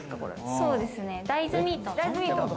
そうですね、大豆ミート。